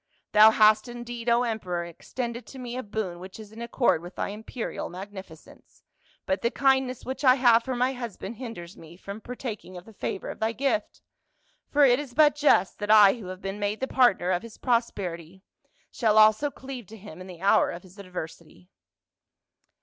" Thou hast indeed, O emperor, extended to me a boon which is in accord with thy imperial magnificence, but the kindness which I have for my husband hinders me from partaking of the favor of thy gift ; for it is but just that I who have been made the partner of his prosperity, shall also cleave to him in the hour of his adversity."